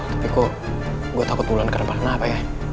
tapi kok gue takut mulan kemana permana apa ya